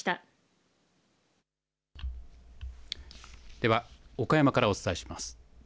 では、岡山からお伝えします。